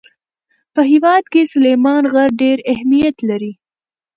په هېواد کې سلیمان غر ډېر اهمیت لري.